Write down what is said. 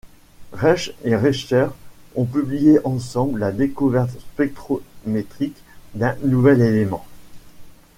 Reich et Richter ont publié ensemble la découverte spectrométrique d'un nouvel élément.